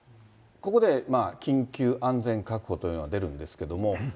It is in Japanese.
ここで緊急安全確保というのが出るんですけども。